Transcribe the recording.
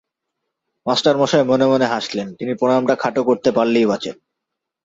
মাস্টারমশায় মনে মনে হাসলেন, তিনি প্রণামটা খাটো করতে পারলেই বাঁচেন।